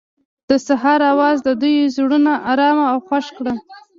د سهار اواز د دوی زړونه ارامه او خوښ کړل.